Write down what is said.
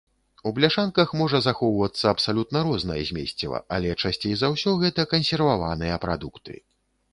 У бляшанках можа захоўвацца абсалютна рознае змесціва, але часцей за ўсё гэта кансерваваныя прадукты.